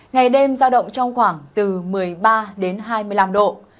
ngày đêm giao động trong khoảng từ một mươi ba đến hai mươi năm độ